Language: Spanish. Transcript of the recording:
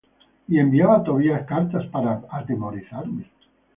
Y enviaba Tobías cartas para atemorizarme.